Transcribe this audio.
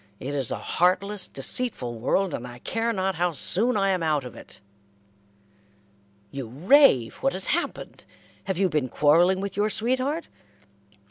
It is a heartless, deceitful world, and I care not how soon I am out of it." "You rave. What has happened? Have you been quarrelling with your sweetheart?"